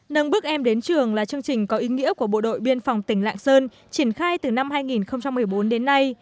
nâng bước em đến trường là chương trình có ý nghĩa của bộ đội biên phòng tỉnh lạng sơn triển khai từ năm hai nghìn một mươi bốn đến nay